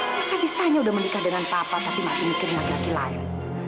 bisa bisanya udah melikah dan papa masih mikir laki laki lain